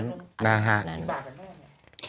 มีบาทกันไหมเนี่ย